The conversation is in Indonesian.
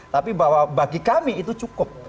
tapi bahwa bagi kami itu cukup